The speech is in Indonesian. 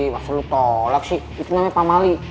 masa lu tolak sih itu namanya pak mali